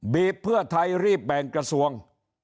เพื่อไทยรีบแบ่งกระทรวง